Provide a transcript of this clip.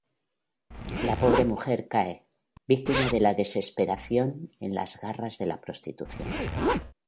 Una pobre mujer cae, víctima de la desesperación, en las garras de la prostitución.